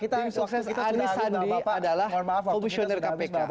tim sukses anies sandi adalah komisioner kpk